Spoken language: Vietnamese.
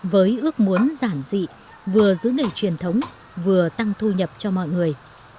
với ước muốn giản dị vừa giữ nghề truyền thống vừa tăng thu nhập cho mọi người